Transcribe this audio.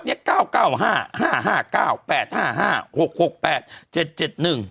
เป็นการกระตุ้นการไหลเวียนของเลือด